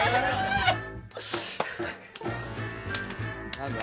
何だ？